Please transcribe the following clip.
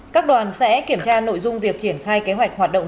các đoàn sẽ kiểm tra nội dung việc triển khai kế hoạch hoạt động